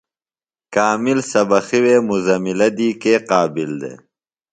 کامل سبقیۡ وے مزملہ دی کے قابل دےۡ؟